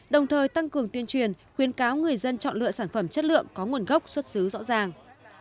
đồng thời tăng cường tuyên truyền khuyên cáo người dân chọn lựa sản phẩm chất lượng có nguồn gốc xuất xứ rõ ràng